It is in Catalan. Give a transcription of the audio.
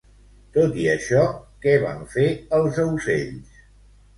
Tot i això, què van fer els aucells?